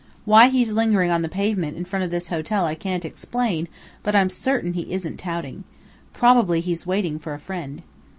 Why he's lingering on the pavement in front of this hotel I can't explain, but I'm certain he isn't touting. Probably he's waiting for a friend."